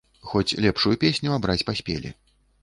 Хоць лепшую песню абраць паспелі.